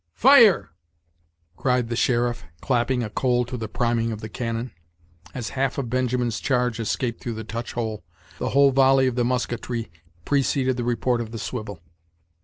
"Fire!" cried the sheriff, clapping a coal to the priming of the cannon. As half of Benjamin's charge escaped through the touch hole, the whole volley of the musketry preceded the report of the swivel.